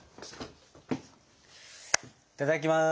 いただきます！